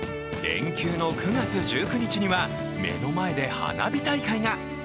連休の９月１９日には、目の前で花火大会が。